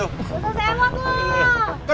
udah sempet loh